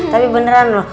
tapi beneran loh